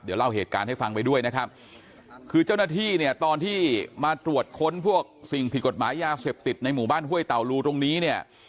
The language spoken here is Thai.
เดี๋ยวเล่าเหตุการณ์ให้ฟังไปด้วยนะครับคือเจ้าหน้าที่เนี่ยตอนที่มาตรวจค้นพวกสิ่งผิดกฎหมายยาเสพติดในหมู่บ้านห้วยเต่ารูตรงนี้เนี่ย